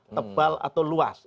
tebal atau luas